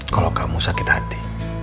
kalau kamu sakit hati